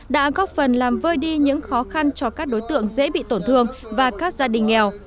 đã góp phần làm vơi đi những khó khăn cho các đối tượng dễ bị tổn thương và các gia đình nghèo